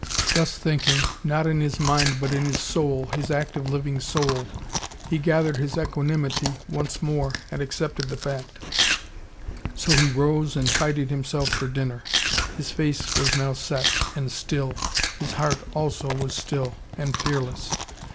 Thus thinking, not in his mind but in his soul, his active, living soul, he gathered his equanimity once more, and accepted the fact. So he rose and tidied himself for dinner. His face was now set, and still. His heart also was still and fearless.